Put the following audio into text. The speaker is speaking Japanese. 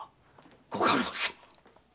ご家老様。